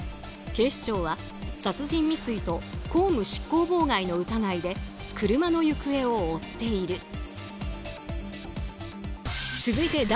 警視庁は殺人未遂と公務執行妨害の疑いで車の行方を追っている。